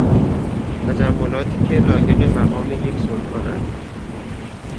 تجملاتی که لایق مقام یک سلطان است